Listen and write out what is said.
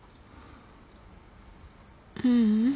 ううん。